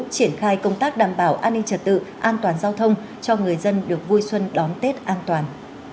triển khai công tác đảm bảo an ninh trật tự an toàn giao thông cho người dân được vui xuân đón tết an toàn